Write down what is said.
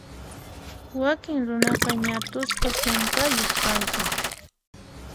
Wakin runaqa ñat'usqa sinqayuq kanku.